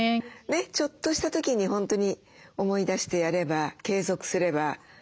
ちょっとした時に本当に思い出してやれば継続すれば。